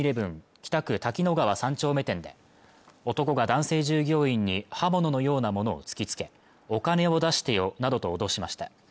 北区滝野川３丁目店で男が男性従業員に刃物のようなものを突きつけお金を出してよなどと脅しました